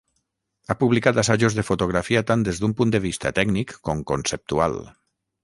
Ha publicat assajos de fotografia tant des d'un punt de vista tècnic com conceptual.